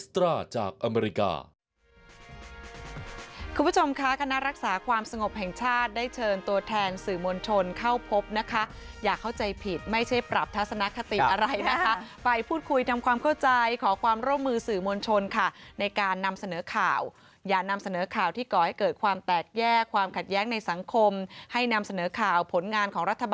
ติดตามได้ในไทยรัฐนิวโชว์ช่วงหน้า